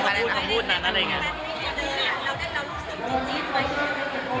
แล้วเกิดเรารู้สึกดีจีนไหม